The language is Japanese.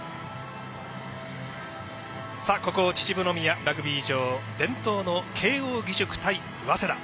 ここ、秩父宮ラグビー場伝統の慶応義塾対早稲田。